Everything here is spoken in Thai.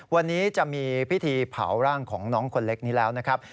วันนี้จะมีพิธีเผาร่างของน้องคนเล็กนี้แล้วนะครับ